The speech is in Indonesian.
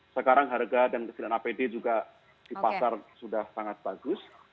sekarang harga dan kesediaan apd juga di pasar sudah sangat bagus